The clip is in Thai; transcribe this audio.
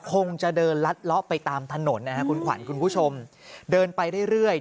คงจะเดินลัดเลาะไปตามถนนนะฮะคุณขวัญคุณผู้ชมเดินไปเรื่อยเรื่อย